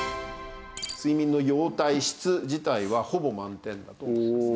睡眠の様態質自体はほぼ満点だと思いますね。